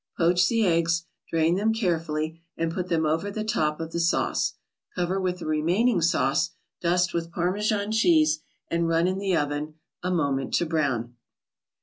Poach the eggs, drain them carefully, and put them over the top of the sauce, cover with the remaining sauce, dust with Parmesan cheese and run in the oven a moment to brown.